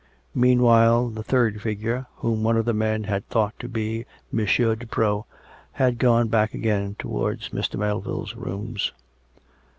Mean while the third figure, whom one of the men had thought to be M. de Preau, had gone back again towards Mr. Mel ville's rooms.